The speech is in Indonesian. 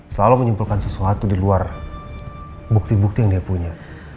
selalu menyimpulkan sesuatu di luar bukti bukti yang dia punya